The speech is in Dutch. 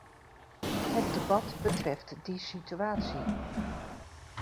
Het debat betreft die situatie.